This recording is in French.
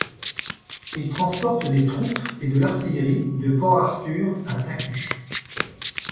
Il transporte des troupes et de l'artillerie de Port-Arthur à Taku.